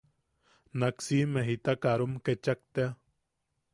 Nak siime jita karom kechak tea.